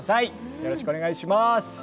よろしくお願いします。